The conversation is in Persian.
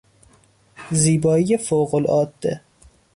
زیبایی فوق العاده